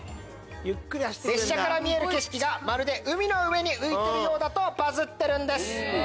列車から見える景色が海の上に浮いてるようだとバズってるんです。